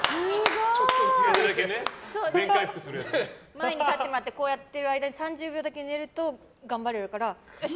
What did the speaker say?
前に立ってもらってこうやってる間に３０秒だけ寝ると頑張れるからよし！